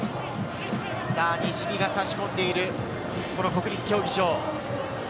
西日が差し込んでいるこの国立競技場。